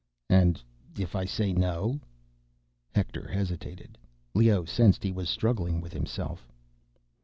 "And if I say no?" Hector hesitated. Leoh sensed he was struggling with himself.